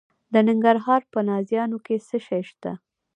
د ننګرهار په نازیانو کې څه شی شته؟